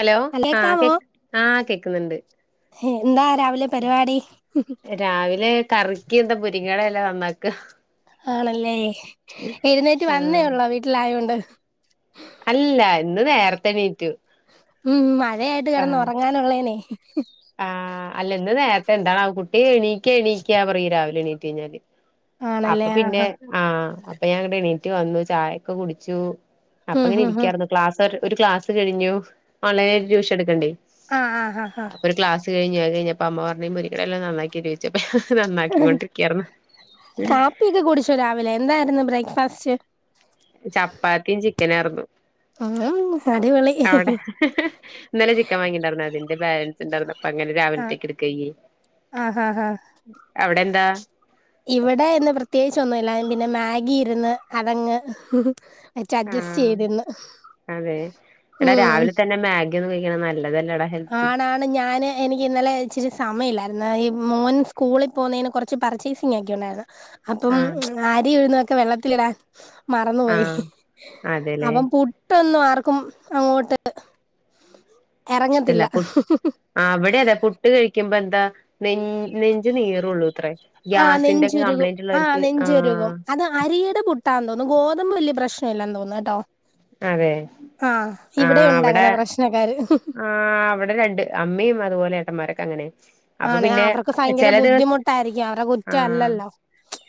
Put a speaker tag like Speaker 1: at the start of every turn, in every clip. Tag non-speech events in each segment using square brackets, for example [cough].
Speaker 1: Hello ആ കേ
Speaker 2: ഹലേക്കാമോ
Speaker 1: ആ കേക്കുന്നുണ്ട്
Speaker 2: എന്താ രാവിലെ പരിപാടി
Speaker 1: രാവിലെ കറി കി എന്താ മുരിങ്ങട എല നന്നാക്ക
Speaker 2: ആണല്ലേ എഴ്ന്നേറ്റ് വന്നേ
Speaker 1: ആഹ്
Speaker 2: ഒള്ളോ വീട്ടിലായൊണ്ട്
Speaker 1: അല്ല ഇന്ന് നേരത്തണീറ്റു
Speaker 2: [unintelligible] കിടന്നുറങ്ങാനുള്ളേ
Speaker 1: ആ അല്ല ഇന്ന് നേ എന്താണ് ആ കുട്ടി എണീക്ക എണീക്കാ പറയും രാവിലെ എണീറ്റ് ഴിഞ്ഞാല്
Speaker 2: ആണല്ലേ
Speaker 1: അപ്പൊ പിന്നെ
Speaker 2: ആഹ്
Speaker 1: ആ പ്പ ഞാ അങ്ങട്ട് എണീറ്റ് വന്നു ചായക്ക കുടിച്ചു അപ്പ
Speaker 2: ഉം
Speaker 1: ഇങ്ങനെ
Speaker 2: ഉം ഉം
Speaker 1: ഇരിക്കാരുന്നു ക്ലാസ് ഒരു ഒരു ക്ലാസ് കഴിഞ്ഞു ഓൺലൈനായിട്ട് റ്റ്യുശൻ എടുക്ക്ണ്ടേ
Speaker 2: ആ ആ ഹ
Speaker 1: അപ്പൊര് ക്ലസ് കഴി ഞ് അഹ് കഴിഞ്ഞപ്പോ അമ്മ പർഞ്ഞി മുര്ങ്ടെല നന്നാക്കി ചോയ്ച്ചെപ്
Speaker 2: കാപ്പിയൊക്കെ കുടിച്ചോ രാവിലെ എന്തായിരുന്നു ബ്രേക്ക്ഫാസ്റ്റ്
Speaker 1: ചപ്പാത്തിയും ചിക്കനായിർന്നു
Speaker 2: ഉം അടിപൊളി
Speaker 1: അവിടെ ഇന്നലെ ചിക്കൻ വാങ്ങിണ്ടാർന്നാ അതി എ ബാലൻസ് ണ്ടായിർന്നു അപ്പ അങ്ങനെ
Speaker 2: ആഹ്
Speaker 1: രാവിൽത്തേക്ക് എടുക്കയിഞ്
Speaker 2: ആഹ് ആഹ് ആഹ്
Speaker 1: അവിടെ എന്താ
Speaker 2: ഇവിടെ ഇന്ന് പ്രത്യേകിച്ച് ഒന്നുല്ല പിന്നെ മാ ഗിയിരുന്ന് അതങ്ങ് വെച്ച് അഡ്ജസ്റ്റ്
Speaker 1: ആഹ്
Speaker 2: ചെയ്തിന്ന്
Speaker 1: അതെ എടാ
Speaker 2: ഉം
Speaker 1: രാവിലെ തന്നെ മാഗ് കഴിക്കുന്നത് വല്യര് ന
Speaker 2: ആണാണ് ഞാന് എനിക്ക് ഇന്നലെ ഇച്ചിരി സമയില്ലാ എന്നാ ഈ മോൻ സ്കൂളി പോന്നയിന് കുറച്ച് പർച്ചേസിങ്ങ് ഒക്കെണ്ടായിരുന്നു അപ്പം
Speaker 1: ആഹ്
Speaker 2: അരി ഉഴുന്നൊ ഒക്കെ വെള്ളത്തിലിടാൻ മറന്നുപോയി
Speaker 1: ആഹ് അതെല്ലേ
Speaker 2: അപ്പം പു ട്ടൊന്നും ആർക്കും അങ്ങോട്ട് എറങ്ങ
Speaker 1: ത്തില്ല പുട്ട് അവടെ അതെ പുട്ട് കഴിക്കുമ്പോ [unintelligible] നീറുള്ളൂ ഇത്രേ
Speaker 2: ആ
Speaker 1: ഗ്യാസിന്റെ ഒക്കെ
Speaker 2: നെഞ്ചുരുകും
Speaker 1: കംപ്ലൈന്റ്
Speaker 2: ആ
Speaker 1: ഉള്ളവർക്ക്
Speaker 2: നെഞ്ചുരുകും
Speaker 1: ആഹ്
Speaker 2: അത് അരിയുടെ പുട്ടാ ഗോതമ്പ് വലിയ പ്രശ്നില്ല ന്ന് തോന്നുന്നുട്ടോ
Speaker 1: അതെ
Speaker 2: ആ ഇവിടെയുണ്ട് അങ്ങനെ പ്രശ്നക്കാര്
Speaker 1: ആ അവിടെ രണ്ട് അമ്മയും അതുപോലെ ഏട്ടന്മാരൊ അങ്ങനെ അപ്പൊ
Speaker 2: ആണ്
Speaker 1: പിന്നെ
Speaker 2: അവർക്ക് ഭയങ്കര
Speaker 1: ചില ദിവസ
Speaker 2: ബുദ്ധിമുട്ടായിരിക്കും അവരെ കുറ്റം
Speaker 1: ആഹ്
Speaker 2: അല്ലല്ലോ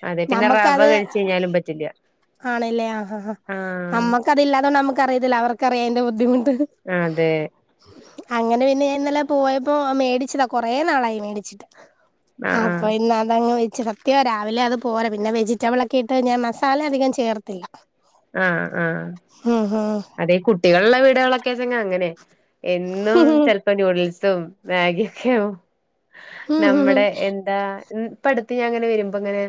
Speaker 1: അതെ പിന്നെ റവ
Speaker 2: നമ്മുക്കത്
Speaker 1: കഴിച്ച് കഴിഞ്ഞാലും പറ്റില്ല
Speaker 2: ആണ് ല്ലേ ആ
Speaker 1: ആഹ്
Speaker 2: നമ്മുക്കതില്ലാത്തതുകൊണ്ട് നമുക്കറിയത്തില്ല അവർക്ക് ക്കറിയാം ബുദ്ധിമുട്ട് ട്ട്
Speaker 1: അതെ
Speaker 2: അങ്ങനെ പിന്നെ ഞാനിന്നലെ പോയപ്പോ മേടിച്ചതാ കൊ കുറേ നാളായി മേടിച്ചിട്ട് ആ
Speaker 1: ആഹ്
Speaker 2: അപ്പൊ
Speaker 1: ആഹ്
Speaker 2: ഇന്ന അതങ്ങ് വെ [unintelligible] രാവിലെ അത് പോര പിന്നെ വെജിറ്റബിളൊക്കെ ഇട്ട് ഞാൻ മസാല അധികം ചേർത്തില്ല
Speaker 1: ആ ആ
Speaker 2: ഉം
Speaker 1: അതെ കുട്ട്യാള്ള്ള വീടൊക്കെ അങ്ങനെ എന്നും ചെലപ്പോ നൂഡിൽസ് തും മാഗിക്കെ ആവും
Speaker 2: ഉം ഉം
Speaker 1: നമ്മുടെ
Speaker 2: ഉം
Speaker 1: എന്താ മ് ഇപ്പ അടുത്ത് ഞാൻ അങ്ങനെ വരുമ്പൊ ഇങ്ങനെ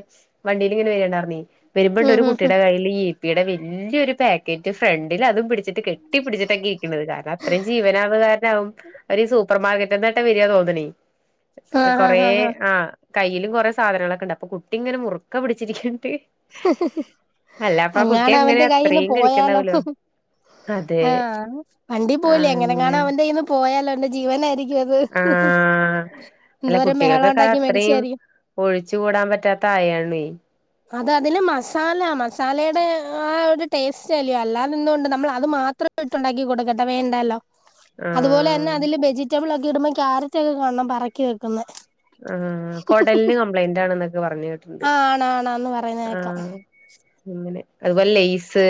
Speaker 1: വണ്ടിയിൽ ഇങ്ങനെ വര്ന്ന്ണ്ടാർന്നെ വരുമ്പണ്ട് ഒരു
Speaker 2: ഉം ഉം
Speaker 1: കുട്ടിയുടെ കയ്യിൽ ഈ കുപ്പിയുടെ വല്യൊരു പാക്കറ്റ് ഫ്രണ്ടിൽ അതും പിടിച്ചിട്ട് റ്റ് കെട്ടി പിടിച്ചിട്ടാണ് ഇരിക്കണത് കാരണം അത്രയും ജീവനാവുന്ന കാരണാവും അവ സൂപ്പർ മാർക്കറ്റ്ന്ന് [unintelligible] വരിയാ തോന്ന്ണെ
Speaker 2: ആഹ് ആഹ്
Speaker 1: കൊറേ
Speaker 2: ആഹ് ആഹ്
Speaker 1: ആ കയ്യിലും കൊറെ സാധനങ്ങളൊക്കെണ്ട് അപ്പൊ കുട്ടി ഇങ്ങനെ മുറുക്കെ പിടിച്ചിരിക്ക [unintelligible] അല്ല
Speaker 2: അങ്ങാണവന്റെ കയ്ൽന്ന് പോയാലോ ഹ് ഹ്
Speaker 1: അതെ
Speaker 2: ആ വണ്ടി
Speaker 1: ആ
Speaker 2: പോകല്ലേ
Speaker 1: അങ്ങനെ
Speaker 2: എങ്ങനെങ്ങണവന്റെ കയ്യ്ന്ന് പോയ [unintelligible] ജീവനായിരി
Speaker 1: ആ അല്ല
Speaker 2: എന്തോരം ബഹളം
Speaker 1: കുട്ടികൾക്കൊക്കെ
Speaker 2: ഉണ്ടാക്കി
Speaker 1: അത്രയും
Speaker 2: മേടിച്ചയായിരിക്കും
Speaker 1: ഒഴിച്ചുകൂടാൻ പറ്റാത്ത ആയാണെ
Speaker 2: അത് അതിന് മസാല മസാലയുടെ ആ ഒരു ടേസ്റ്റ് അല്ലയോ അല്ലാതെന്തുകൊണ്ട് നമ്മൾ അത് മാത്രം ഇട്ടുണ്ടാക്കി കൊടുക്കട്ടെ വേണ്ടല്ലോ
Speaker 1: ആ
Speaker 2: അതുപോലെന്നെ അതില് വെജിറ്റബിൾ ഒ ക്കിടുമ്പോ ക്യാരറ്റ് ഒക്കെ കാണണം പറക്കി വെക്കുന്നത്
Speaker 1: ആ കൊടലിന് കംപ്ലൈന്റ് ആണെന്നൊക്കെ പറഞ്ഞു കേട്ട്ണ്ട്
Speaker 2: ആ ആണാണാന്ന് പറയുന്ന
Speaker 1: ആ
Speaker 2: കേക്കാം
Speaker 1: ഉ അങ്ങനെ അതുപോലെ ലെയ്സ്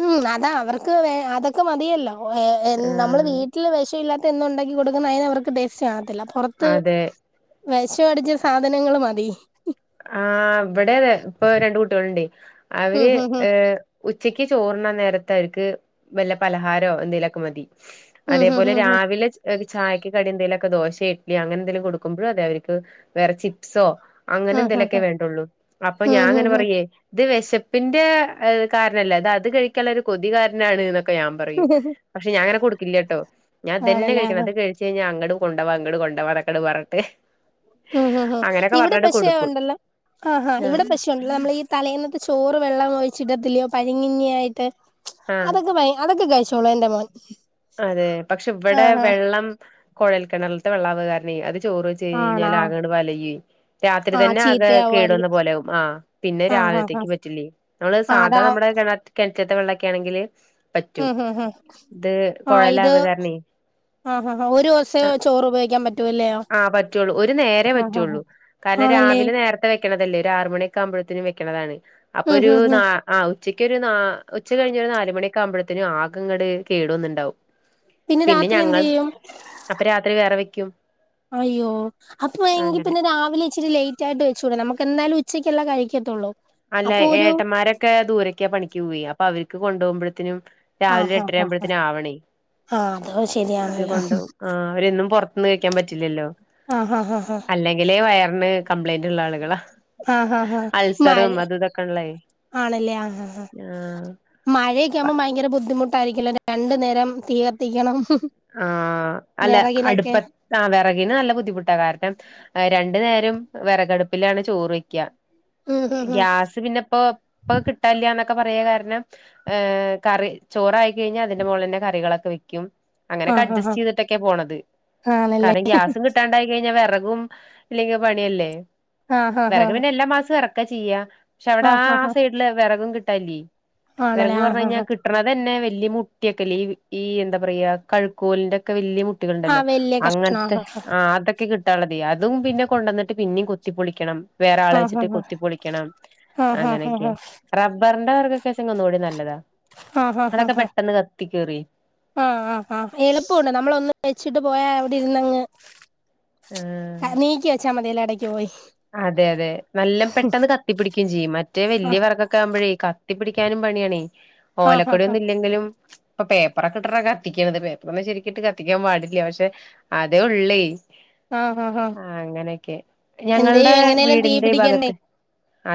Speaker 2: ഉം അതാ അവർക്ക് അതൊക്കെ മതിയല്ലേ ഏ.. നമ്മള് വീട്ടില് ദേഷ്യം - ന്ന ഉണ്ടാക്കി കൊടുക്കുന്ന അതിനവർക്ക് ടേസ്റ്റ് കാണത്തില്ല പുറത്ത്
Speaker 1: ആ അതെ
Speaker 2: വെഷം അടിച്ച സാധനങ്ങൾ മതി
Speaker 1: ആ ഇവിടെ അതെ ഇപ്പൊ രണ്ട് കുട്ടികളുണ്ടെ
Speaker 2: ഉം
Speaker 1: അവര്
Speaker 2: ഹും ഹും
Speaker 1: ഏഹ് ഉച്ചക്ക് ചോറുണ്ണാൻ നേരത്തെ അവർക്ക് വല്ല പലഹാരമോ എന്തെങ്കലുമൊക്കെ മതി
Speaker 2: ഉം ഹും
Speaker 1: അതേപോലെ
Speaker 2: ഹും ഹും
Speaker 1: രാവിലെ ചായക്ക് കടി എന്തേലുമൊക്കെ ദോശ ഇഡലി അങ്ങനെ എന്തെങ്കിലും കൊടുക്കുമ്പോ അതെ അവർക്ക് വേറെ ചിപ്സോ അങ്ങനെ
Speaker 2: ഉം ഹും
Speaker 1: ക്കെ
Speaker 2: ഹും
Speaker 1: വേണ്ടുള്ളൂ അപ്പൊ
Speaker 2: ഉം
Speaker 1: ഞാൻ
Speaker 2: ഹും
Speaker 1: അങ്ങനെ
Speaker 2: ഹും
Speaker 1: പറയേ ഇത് വേശ - പ്പിന്റെ കാരണല്ലേ അതത് കഴിക്കുള്ള ഒരു കൊതി കാരണാണ്ന്ന് ക്കെ ഞാൻ പറയും പക്ഷെ ഞാനങ്ങനെ കൊടുക്കില്ല കേട്ടോ ഞാൻ അതന്നെ
Speaker 2: ആണല്ലേ ആ
Speaker 1: കഴിക്കണം അത് കഴിച്ച് കഴിഞ്ഞാൽ അങ്ങട്- കൊണ്ടോവാ അങ്ങട് കൊണ്ടോവാ അതൊക്കട് പറഞ്ഞ്
Speaker 2: മ് ഹ് ഹ് ഇവിടെ പക്ഷേ ഉണ്ട ആഹാ
Speaker 1: ആഹ്
Speaker 2: ഇവിടെ പക്ഷേ ഉണ്ടല്ലോ നമ്മൾ ഈ തലേന്നത്തെ ചോറ് വെള്ളം ഒഴിച്ചിടത്തില്ലയോ പഴകഞ്ഞി ആയിട്ട്
Speaker 1: ആഹ്
Speaker 2: അതൊക്കെ ഭയ അതൊക്കെ കഴ്- [unintelligible] മോൻ
Speaker 1: അതെ പക്ഷെ ഇവിടെ
Speaker 2: ആഹ് ആഹ്
Speaker 1: വെള്ളം കുഴൽ- കേണറിലത്തെ വെള്ളാവ് കാരണെ അത്- ചോറ് വെച്ച് കഴിഞ്
Speaker 2: ആണാ
Speaker 1: കഴിഞ്ഞാൽ ആക അങ്ങട് വലയുവേ രാത്രി
Speaker 2: ആഹ്
Speaker 1: തന്നെ ആകെ കേടുവന്ന
Speaker 2: ചീത്തയാവുമായിരിക്കും
Speaker 1: പോലും ആകും ആ പിന്നെ
Speaker 2: ആഹ് ആഹ്
Speaker 1: രാവിലത്തേക്ക്
Speaker 2: ആഹ്
Speaker 1: പറ്റില്ലേ നമ്മള്
Speaker 2: ആഹ്
Speaker 1: സാധാണ
Speaker 2: അതാ
Speaker 1: നമ്മടെ കെണ കെണ ച്ചത്തെ വെള്ളൊക്കൊണെങ്കില് പറ്റും ഇത്
Speaker 2: ആ
Speaker 1: കുഴലാവ
Speaker 2: ഇത്
Speaker 1: കാരണേ
Speaker 2: ആ ഹ ഹ ഒരു ദിവസേ ചോറുപ
Speaker 1: ആഹ് പറ്റുള്ളൂ ഒരു നേരെേ
Speaker 2: ആഹ് ആഹ്
Speaker 1: പറ്റുള്ളൂ കാരണം
Speaker 2: ആണല്ലേ
Speaker 1: രാവിലെ നേരത്തെ വെ വെക്കണതല്ലേ ഒരു ആറു മണി ആകുമ്പഴ്ത്തേനും വെക്കണതാണ് അപ്പൊ
Speaker 2: ഉം
Speaker 1: ഒരു
Speaker 2: ഉം
Speaker 1: ന
Speaker 2: ഉം
Speaker 1: ആ ഉച്ചക്കൊരു നാ ഉച്ച കഴിഞ്ഞ് ഒരു നാലു മണിയൊക്കെ ആകുമ്പഴ്ത്തെനും ആക അങ്ങട് കേടു വന്നിട്ടുണ്ടാവും
Speaker 2: പിന്നെ രാത്രി എന്ത് ചെയ്യും
Speaker 1: ക്കും
Speaker 2: അയ്യോ അപ്പൊ എങ്കി പിന്നെ രാവിലെ ഇച്ചിരി ലേറ്റ് ആയിട്ട് വെച്ചൂടേ നമ എന്തായാലും ഉച്ചക്കല്ലേ കഴിക്കത്തുള്ളൂ
Speaker 1: അല്ല
Speaker 2: അപ്പൊ ഒരു
Speaker 1: ഏട്ടന്മാരൊക്കെ ദൂരൊക്കെയ പണിക്ക് പോവെ അപ്പൊ അവർ ക്ക് കൊണ്ട് പോകുമ്പഴ്ത്തനും രാവിലെ
Speaker 2: ആഹ്
Speaker 1: എട്ടര
Speaker 2: ആഹ് ആഹ്
Speaker 1: ആവുമ്പോഴത്തെന് ആവണേ
Speaker 2: ആഹ് അതോ
Speaker 1: അവര്
Speaker 2: ശരിയാണല്ലോ
Speaker 1: കൊണ്ടു പോവും ആ അവരൊന്നും പുറത്തിന്ന് കഴിക്കാൻ പറ്റില്ലല്ലോ
Speaker 2: ആഹ് ആഹ് ആഹ്
Speaker 1: അല്ലെങ്കിലേ വയറിന് കംപ്ലയിൻന്റ് ള്ള ആളുകളാ
Speaker 2: ആഹ് ഹ ഹ മഴ
Speaker 1: അൾസറും അതും ഇതൊക്കെ ഉള്ളേ
Speaker 2: ആണല്ലേ ഹ ഹ ആ മഴയൊക്കെ ആവുമ്പോ ഭയങ്കര ബുദ്ധിമുട്ട് [unintelligible] രണ്ടു നേരം തീ കത്തിക്കണം
Speaker 1: ആ അല്ല
Speaker 2: വിറകിനൊക്കെ
Speaker 1: അടുപ്പത്തു ആ വിറകിന് നല്ല ബുദ്ധിമുട്ടാ കാരണം രണ്ടു നേ രം വിറകടുപ്പിലാണ് ചോറ് വെക്ക
Speaker 2: ഉം ഉം ഉം
Speaker 1: ഗ്യാസ് പിന്നെപ്പൊ ഇപ്പൊ കിട്ടല്ല്യാന്നൊക്ക പറയാൻ കാരണം കറി ചോറായി കഴിഞ്ഞാൽ അതിന്റെ മുകളി തന്നെ കറികളൊക്കെ വെക്കും അങ്ങനെയൊക്കെ
Speaker 2: ആഹ് ആഹ് ആഹ്
Speaker 1: അഡ്ജസ്റ്റ് ചെയ്തിട്ടൊക്കെ പോണത്
Speaker 2: ആണല്ലേ
Speaker 1: കാരണം ഗ്യാസും കിട്ടാണ്ടായി കഴിഞ്ഞാ വെറകും ഇല്ലെങ്കിൽ പണിയല്ലേ
Speaker 2: ആഹ് ആഹ്
Speaker 1: വിറക്
Speaker 2: ആഹ്
Speaker 1: പിന്നെ എല്ലാ മാസവും ഇറക്ക ഒക്കെ ചെയ്യ പക്ഷെ അവിടെ ആ
Speaker 2: ആഹ്
Speaker 1: ആ
Speaker 2: ആഹ് ആഹ്
Speaker 1: സൈഡില് വിറകും കി തലി
Speaker 2: ആണല്ലേ
Speaker 1: വിറക് പറഞ്ഞു
Speaker 2: ആഹ്
Speaker 1: കഴിഞ്ഞാൽ
Speaker 2: ആഹ്
Speaker 1: കിട്ടണത് തന്നെ വലിയ കുറ്റിക്കെല്ലീ ഈ എന്താ പറയ്യ കഴ്ക്കോലിന്റെ ഒക്കെ വല്യ ണ്ടല്ലോ
Speaker 2: ആഹ് വലിയ കഷ്ണം
Speaker 1: അങ്ങനത്തെ
Speaker 2: ആഹ്
Speaker 1: ആ അതൊക്കെ കിട്ടാനുള്ളത് അതും പിന്നെ കൊണ്ട് വന്നിട്ട് പിന്നെയും കൊത്തിപ്പൊളിക്കണം വേറെ ആളെ
Speaker 2: ആഹ്
Speaker 1: വെച്ചിട്ട് കൊത്തിപ്പൊളിക്കണം
Speaker 2: ആഹ് ആഹ് ആഹ് ആഹ്
Speaker 1: അങ്ങനെയൊക്കെ റബ്ബറിന്റെ വിറക് അത്യാവശ്യം ഒന്നുകൂടിനല്ലതാ
Speaker 2: ആ ഹഹ ഹാ
Speaker 1: ത്തി കേറി
Speaker 2: ആ ആ ആ എളുപ്പവുണ്ട് നമ്മള് ഒന്ന് വെച്ചിട്ട് പോയാ ഇരുന്നങ്
Speaker 1: ആഹ്
Speaker 2: നീക്കി വെച്ചാ മതില [unintelligible]
Speaker 1: അതെ അതെ നല്ല പെട്ടെന്ന് കത്തിപ്പിടിക്കയും ചെയ്യും മറ്റേ വലിയ
Speaker 2: ആഹ്
Speaker 1: വിറക്കൊക്കെ ആവുമ്പോഴേ കത്തിപിടിക്ക് നും പണിയാണെ
Speaker 2: ആഹ്
Speaker 1: ഓലക്കുടി
Speaker 2: ആഹ്
Speaker 1: ഒന്നും ഇല്ലെങ്കിലും ഇപ്പൊ പേപ്പറൊക്കെ ഇട്ടകത്തിക്കണത് പേപ്പറൊന്നും ശരിക്കട്ട് കത്തിക്കാൻ പാടില്ല പക്ഷെ അതേ ഉള്ളേ
Speaker 2: ആഹ് ആഹ് ആഹ്
Speaker 1: ആ അങ്ങനെയൊക്കെ
Speaker 2: എന്ത്
Speaker 1: ഞങ്ങളുടെ
Speaker 2: ചെയ്യും എങ്ങനെലും തീ
Speaker 1: വീടിന്റെ
Speaker 2: പിടിക്കണ്ടേ
Speaker 1: ഭാഗത്ത്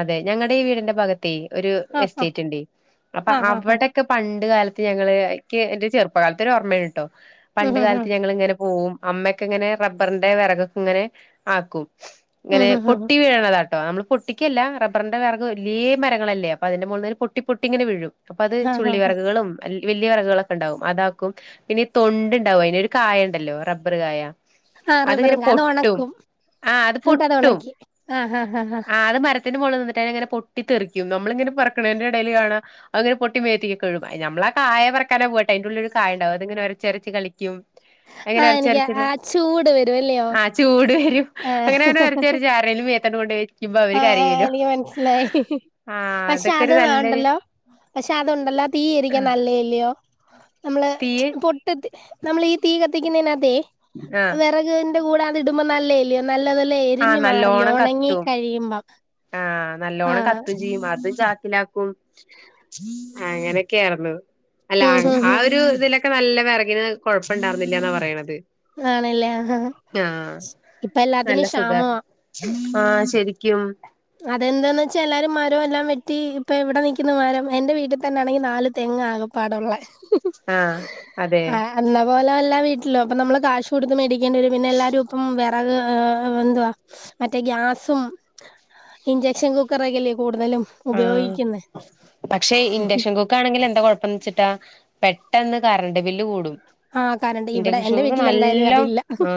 Speaker 1: അതെ ഞങ്ങടെ വീടിന്റെ ഭാഗത്ത് ഒരു
Speaker 2: ആഹ്
Speaker 1: എസ്റ്റേറ്റ് ഉണ്ട് അപ്പൊ അവിടെക്കെ പണ്ട് കാല ഞങ്ങള്എനിക്ക് എന്റെ ചെറുപ്പകാലത്ത് ഒരു ഓർമ്മയാണ് കേട്ടോ പണ്ട് കാലത്ത് ഞങ്ങളിങ്ങനെ പോവും അമ്മക്കെ ഇങ്ങനെ റബ്ബറിന്റെ വിറകൊക്കെ ഇങ്ങനെ ആക്കും ഇങ്ങനെ പൊട്ടി വീഴണതാട്ട് ട്ടോമ്മ പൊട്ടിക്കല്ല റബറിന്റെ വിറക് വലിയ മരങ്ങളല്ലേ അപ്പ അതിന്റെ മുകളിൽ പൊട്ടിപൊട്ടി ഇങ്ങന വീഴും അപ്പൊ അത് ചുള്ളി വിറകുകളും അല്ലി വലിയ വിറകുകളൊക്കെണ്ടാവും അതാക്കും പിന്നെ തൊണ്ട് ഉണ്ടാവും അതിനൊ ഒരു കായ ഉണ്ടല്ലോ റബ്ബർ കായ
Speaker 2: ആ
Speaker 1: അതിങ്ങനെ
Speaker 2: റബ്ബറിന്റെ അത്
Speaker 1: പൊട്ടും
Speaker 2: ഉണക്കും
Speaker 1: ആഹ് അത് പൊട്
Speaker 2: എന്നിട്ട് അത് ഉണക്കി ആഹ് ആഹ് ആഹ് ആഹ്
Speaker 1: ത്തിൻ്റെ മോളിൽ നിന്നിട്ട് അതിങ്ങനെ പൊട്ടി തെറിക്കും നമ്മളിങ്ങനെ പറക്കണതിന്റെ ഇടൽ കാണ അങ്ങെ പൊട്ടി മേത്തിക്കൊക്കെ കഴും നമ്മള ആ കായെ പറക്കാന പോട്ടെ അയിന്റെുള്ളിലൊരു സായ ഉണ്ടാവും അത്ങ്ങെരച്ചിരച്ച് കളിക്കും
Speaker 2: ആ
Speaker 1: അങ്ങനെ
Speaker 2: എനിക്ക് ആ
Speaker 1: ഒരച്ചരച്ചന്ന്
Speaker 2: ചൂട് വരുവല്ലയോ ആ
Speaker 1: ച്ചുരച്ച് ആരേലും മേത്തങ്ങട്ട് കൊണ്ടോയി
Speaker 2: ആ എനിക്ക് മനസ്സിലായി
Speaker 1: ആ
Speaker 2: പക്ഷെ
Speaker 1: അതൊക്കെ
Speaker 2: അത്
Speaker 1: ഒരു നല്ലൊരു
Speaker 2: വണ്ടല്ലോ പക്ഷെ അതുണ്ടല്ലോ തീ
Speaker 1: ആ
Speaker 2: ഇരിക്കാൻ നല്ലേല്ലയോ നമ്മള്
Speaker 1: തീയ്
Speaker 2: പൊട്ട നമ്മൾ ഈ തീക ത്തിക്ക്ന്നതിനകത്തെ
Speaker 1: ആ
Speaker 2: വിറക് ന്റെ കൂടെ അത് ഇടുമ്പോ നല്ലേല നല്ലതെല്ലാം
Speaker 1: ആ
Speaker 2: എരിഞ്ഞു മാറി
Speaker 1: നല്ലോണം
Speaker 2: ഉണങ്ങി
Speaker 1: കത്തും
Speaker 2: എരിയുമ്പോ
Speaker 1: ആ നല്ലോണം കത്തും ചെയ്യും അത് ക ത്തിലാക്കും അങ്ങനെയൊക്കെയായിരുന്നു അല്ല
Speaker 2: ഹും ഹും
Speaker 1: ആ
Speaker 2: ഹും
Speaker 1: ഒരു ഇതില ക്കെ നല്ല വിറകിന് കൊഴപ്പ ഇണ്ടായിരുന്നില്ലന്നാ പറയണത്
Speaker 2: ആണല്ലേ ആ
Speaker 1: ആഹ്
Speaker 2: ഇപ്പ
Speaker 1: നല്ല
Speaker 2: എല്ലാത്തിനും ക്ഷാമ ആ
Speaker 1: കും
Speaker 2: അതെന്താന്ന് വെച്ചാ എല്ലാരും മരം എല്ലാം വെട്ടി ഇപ്പ ഇവിടെ നിൽക്കുന്ന മരം എന്റെ വീട്ടിൽ തന്നൊണെങ്കിൽ നാല് തെങ്ങ് ആകപ്പാടുള്ളെ
Speaker 1: ആഹ് അതെ
Speaker 2: ആ അന്ന പോലെല്ല വി ട്ടിലോ അപ്പ നമ്മളെ കാശ് കൊടുത്ത് മേടി [unintelligible] പിന്നെ എല്ലാരും ഇപ്പം വേ അത് എന്തുവാ മറ്റേ ഗ്യാസും ഇഞ്ചെക്ഷൻ കുക്കർ ഒക്കെല്ലേ
Speaker 1: ആ പക്ഷെ ഇൻഡക്ഷൻ കുക്ക് ആണെങ്കിൽ എന്താ കൊഴപ്പന്ന് വച്ചിട്ടാ പെട്ടെന്ന് കറണ്ട് ബില്ല് കൂടും
Speaker 2: ആ കറണ്ട്
Speaker 1: ഇന്റെ
Speaker 2: ഇവിടെ
Speaker 1: കഷൂ
Speaker 2: എന്റെ വീട്ടിൽ എന്തായാലും
Speaker 1: നല്ലോ
Speaker 2: അതില്ല
Speaker 1: ആ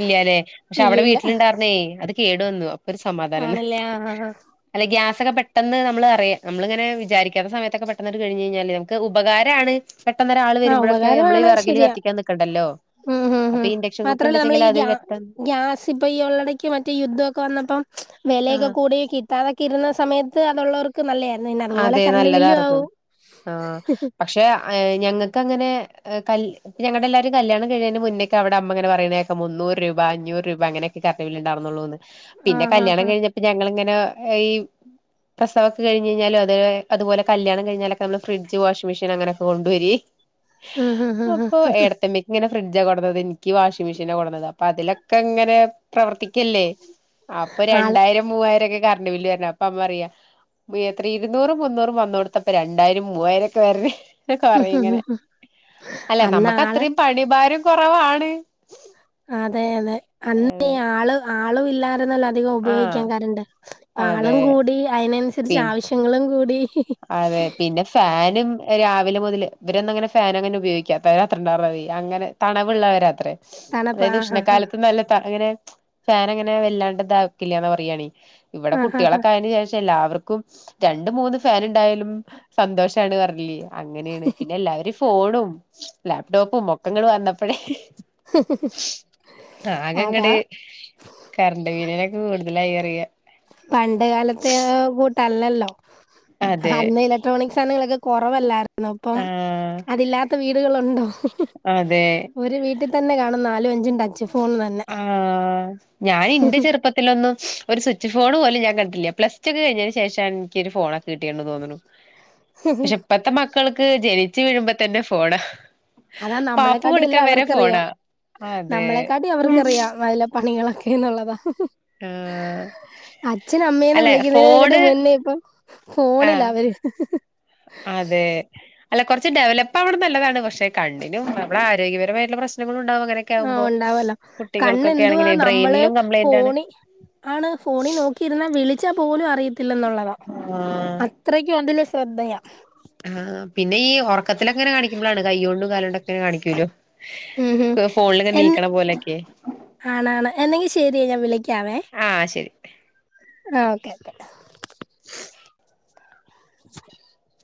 Speaker 1: ഇല്ലല്ലെ പക്ഷെ അവിടെ
Speaker 2: ഇല്ലില്ല
Speaker 1: വീട്ടിലിണ്ടായിരുന്നേ അത് കേടു വന്നു അപ്പൊ ഒരു സമാധാനന്ന്
Speaker 2: ആണല്ലേ ആ ആ
Speaker 1: അല്ലെ ഗ്യാസൊക്കെ പെ പെട്ടെന്ന് നമ്മള് അറിയാം നമ്മളിങ്ങനെ വിചാരിക്കാത്ത സമയത്തൊക്കെ പെട്ടന്ന് കഴിഞ്ഞ് കഴിഞ്ഞാ നമക്ക് ഉപകാരാണ് പെട്ടെന്നൊരാള്
Speaker 2: ആ
Speaker 1: വരുമ്പഴൊക്കെ നമ്മള് ഈ
Speaker 2: ഉപകാരംമാണ്
Speaker 1: വെറകില്
Speaker 2: ശരിയാ
Speaker 1: കത്തിക്കാൻ നിക്കണ്ടല്ലോ
Speaker 2: ഉം ഹ ഹ
Speaker 1: അപ്പൊ ഇൻഡക്ഷൻ കുക്കർ
Speaker 2: മാത്രല്ല നമ്മൾ
Speaker 1: ഇണ്ട്ച്ചെങ്കിൽ
Speaker 2: ഈ
Speaker 1: അത്
Speaker 2: ഗ്യ
Speaker 1: പെട്ടെന്ന്
Speaker 2: ഗ്യാസ് ഇപ്പ ഈ ഉള്ളടയ്ക്ക് മറ്റേ യുദ്ധമൊക്കെ വന്നപ്പം വിലയൊക്കെ
Speaker 1: ആഹ്
Speaker 2: കൂടി കിട്ടാതെ കിരുന്ന സമയത്ത് അതുള്ളവർക്ക് നല്ലതായിരുന്നു പിന്നെ അതുപോലെ
Speaker 1: അതെ
Speaker 2: കറണ്ട് ബില്ലും
Speaker 1: നല്ലതാരുന്നു
Speaker 2: ആവും
Speaker 1: ആ പക്ഷെ ഞങ്ങ ഇക്ക അങ്ങനെ കൽ ഞങ്ങടെ എല്ലാരും കല്യാണം കഴഞ്ഞതി മുന്നേക്ക അവടെ അമ്മ അങ്ങനെ പറുന്നതൊക്കെ മുന്നൂ രൂപ അഞ്ഞൂ രൂപ അങ്ങനെയൊക്കെ കറണ്ട്ബിൽ ഉണ്ടാവന്നള്ളൂന്ന്. പിന്നെ
Speaker 2: ആഹ് ആഹ്
Speaker 1: കല്യാണം
Speaker 2: ആഹ്
Speaker 1: കഴിഞ്ഞപ്പോ ഞങ്ങൾഇങ്ങനെ പ്രസവൊക്കെ കഴിഞ്ഞു [unintelligible] കഴിഞ്ഞാലുംഅതുപലെ കല്യാ കഴഞ്ഞാലക്കെ നമ്മള് ഫ്രിഡ്ജ് വാഷിംഗ് മെഷീന് അങ്ങനെ ഒക്കെ കൊണ്ടുവരി-
Speaker 2: ഉം ഹ് ഹ് ഹ്
Speaker 1: അപ്പോ ഏടത്തി അമ്മയ്ക്ക് ഇങ്ങനെ- ഫ്രിഡ്ജ കൊടന്നത് എനിക്ക് വാഷിംഗ് മെഷീൻ കൊടന്നത് അപ്പൊ അതിലൊക്കെ ഇങ്ങനെ പ്രവർത്തിക്കല്ലേ അപ്പൊ
Speaker 2: ആള്
Speaker 1: രണ്ടായിരം മൂവായിരംരോ ക്കെ- കറണ്ട് ബില്ല് വരുന്ന അപ്പം അമ്മ പറയാ- എത്ര ഇരുന്നൂറും മുന്നൂറും വന്ന കൊടുത്തപ്പ രണ്ടായിരം മൂവായിരം ഒക്കെ വരണേ
Speaker 2: ഹ്
Speaker 1: കൊറെ
Speaker 2: ഹ് ഹ്
Speaker 1: ഇങ്ങനെ
Speaker 2: ഹ്
Speaker 1: അല്ല
Speaker 2: അന്ന്
Speaker 1: നമുക്ക്
Speaker 2: ആള്
Speaker 1: അത്രയും പണി ഭാരം കുറവാണ്
Speaker 2: അതെ അതെ അന്ന ആള് ആ- ആളുമില്ലായിരുന്നല്ലോ അധികം ഉപയോഗിക്കാൻ
Speaker 1: ആഹ്
Speaker 2: കരണ്ട്
Speaker 1: അതെ
Speaker 2: ആളുംകൂടി അത് -
Speaker 1: പി
Speaker 2: ആവശ്യങ്ങളും കൂടി
Speaker 1: അതെ പിന്നെ ഫാനും രാവിലെ മുതൽ ഇവരന്ന അങ്ങനെ ഫാൻ അങ്ങനെ ഉപയോഗിക്കത്ത രാത് ഉണ്ടായിരുന്ന മതി അങ്ങനെ തണവള്ളവരാ അ
Speaker 2: തണുപ്പ്
Speaker 1: അതായത്
Speaker 2: ആഹ് ആഹ്
Speaker 1: ഉഷ്ണക്കാലത്ത് നല്ല അങ്ങനെ ഫാന അങ്ങനെ വെല്ലാണ്ടത ആക്കില്ലന്ന പറയാണ ഇവിടെ
Speaker 2: ആഹ് ആഹ് ആഹ്
Speaker 1: കുട്ടികളൊക്കെ അതിനു ശേഷം എല്ലാവർക്കും ക്കും രണ്ടും മൂന്നും ഫാൻ ഉണ്ടായാലും സന്തോഷമാണ് പറഞ്ഞില്ലിയേ അങ്ങനെയാണ് പിന്നെ എല്ലാവരും ഫോണും ലാപ്ടോപ്പും മൊക്കങ്ങൾ വന്നപ്പോഴേ
Speaker 2: അതാ
Speaker 1: ആകങ്ങട് കറണ്ട് ബിലിനൊക്കെ കൂടുതലായി വയ്യാ
Speaker 2: പണ്ട് കാലത്തെ കൂ തല്ലല്ലോ
Speaker 1: അതെ
Speaker 2: അന്ന് ഇലക്ട്രോണിക് സാധങ്ങളൊക്കെ കുറവല്ലായിരുന്നു ഇപ്പം
Speaker 1: ആഹ്
Speaker 2: അതില്ലാത്ത വീടുകളുണ്ടോ
Speaker 1: അതെ
Speaker 2: ഒരു വീട്ടിൽ തന്നെ കാണും നാലുംഅഞ്ചും ടച്ച് ഫോൺ തന്നെ
Speaker 1: ആ ഞാനിന്റെ ചെറുപ്പത്തിലൊന്നും ഒരു സ്വിച്ച് ഫോൺ പോലും ലും ഞാൻ കണ്ടിട്ടില്ല പ്ലസ് ടു ഒക്കെ കഴിഞ്ഞതിന് ശേഷമാണ് എനി ക്കൊരു ഫോണ് കിട്ടിയിട്ടുണ്ടന്ന് തോന്നുന്നു പക്ഷെ പെത്തെന്മാർക് മക്കൾക്ക് ജനിച്ചു വീഴുമ്പോ തന്നെ ഫോണാ
Speaker 2: അതാ
Speaker 1: പാപ്പു
Speaker 2: നമ്മളെക്കാട്ടിലും
Speaker 1: കൊടുക്കാൻ
Speaker 2: എല്ലാം
Speaker 1: വരെ
Speaker 2: അവർക്കറിയാം
Speaker 1: ഫോണാ അതെ
Speaker 2: നമ്മളെക്കാട്ടി അവർക്കറിയാം നല്ല പണികളൊക്കെന്നുള്ളതാ
Speaker 1: ആ അല്ലെ ഫോണ്
Speaker 2: ഫോണില്
Speaker 1: ആഹ്
Speaker 2: അവര്
Speaker 1: ഇച്ചിരി ഡെവലപ്പ് ആവണേ നല്ലതാണ് പക്ഷെ കണ്ണിനും നമ്മുടെ ആരോഗ്യപരമായിട്ടുള്ള പ്രശ്നങ്ങളുണ്ട്
Speaker 2: ആ ഉണ്ടാവല്ലോ കണ്ണ് എന്തുവാ
Speaker 1: ആണെങ്കിലെ
Speaker 2: നമ്മള്
Speaker 1: ബ്രെയിനിലും കംപ്ലൈന്റ് ആണ്
Speaker 2: ഫോണി ആണ് ഫോണിൽ നോക്കിയിരുന്നാ വിളി ച്ചാ പോലും അറിയ ത്തില്ലന്നൊള്ളതാ അത്രക്ക് അതില് ശ്രദ്ധയാ
Speaker 1: ആ പിന്നെ ഈ ഒറക്കത്തിലങ്ങനെ കാണിക്കുമ്പോളാണ് കൈകൊണ്ടും കാലോണ്ടൊക്കെ ങ്ങനെ കാണിക്കൂല്ലോ
Speaker 2: ഉം ഉം എന്നി
Speaker 1: പോലെയൊക്കെ
Speaker 2: ആണാണ് എന്നെങ്കിൽ ശരിയെ ഞാൻ വിളിക്കാവേ
Speaker 1: ആഹ് ശരി
Speaker 2: ആ ഓക്കെ ഓക്കെ
Speaker 1: [inaudible]
Speaker 2: [inaudible]